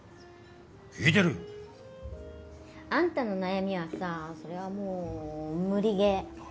聞いてる！あんたの悩みはさそれはもう無理ゲー。